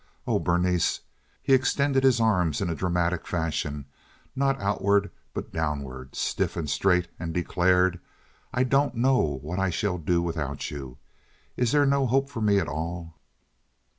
Oh, Berenice!" He extended his arms in a dramatic fashion, not outward, but downward, stiff and straight, and declared: "I don't know what I shall do without you. Is there no hope for me at all?"